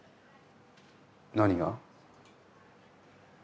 何が？